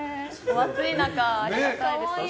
暑い中ありがたいですね。